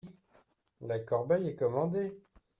La corbeille est commandée…